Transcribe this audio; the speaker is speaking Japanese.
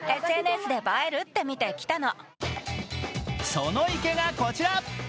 その池がこちら。